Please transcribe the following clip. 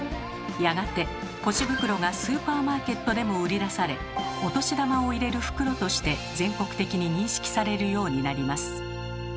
やがて「ぽち袋」がスーパーマーケットでも売り出されお年玉を入れる袋として全国的に認識されるようになります。